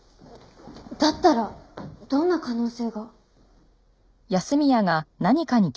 だったらどんな可能性が？